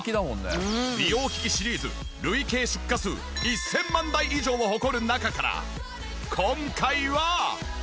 美容機器シリーズ累計出荷数１０００万台以上を誇る中から今回は。